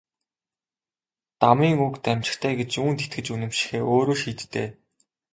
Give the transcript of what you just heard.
Дамын үг дамжигтай гэж юунд итгэж үнэмшихээ өөрөө шийд дээ.